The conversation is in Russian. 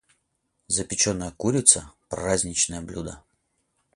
Запеченная курица - праздничное блюдо.